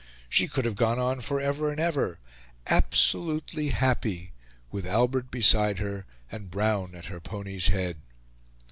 She could have gone on for ever and ever, absolutely happy with Albert beside her and Brown at her pony's head.